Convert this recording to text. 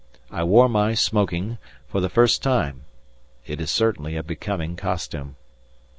I wore my "smoking" for the first time; it is certainly a becoming costume.